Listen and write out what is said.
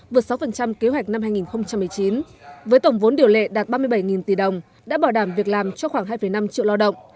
vượt sáu kế hoạch năm hai nghìn một mươi chín với tổng vốn điều lệ đạt ba mươi bảy tỷ đồng đã bảo đảm việc làm cho khoảng hai năm triệu lao động